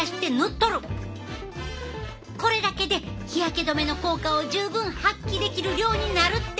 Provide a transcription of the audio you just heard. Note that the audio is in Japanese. これだけで日焼け止めの効果を十分発揮できる量になるっていうねん！